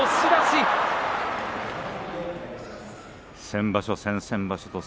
先場所、先々場所と